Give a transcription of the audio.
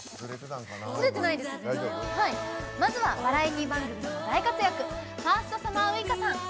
まずはバラエティー番組でも大活躍ファーストサマーウイカさん。